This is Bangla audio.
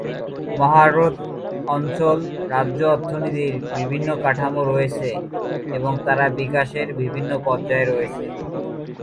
মহা হ্রদ অঞ্চল রাজ্য অর্থনীতির বিভিন্ন কাঠামো রয়েছে এবং তারা বিকাশের বিভিন্ন পর্যায়ে রয়েছে।